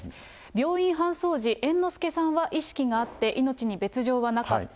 病院搬送時、猿之助さんは意識があって、命に別状はなかった。